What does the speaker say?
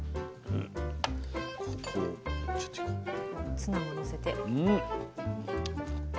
ツナものせて。